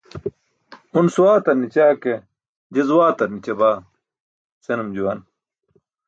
"un swaatar ni̇ća ke, je zwaatar ni̇ćabaa" senum juwan.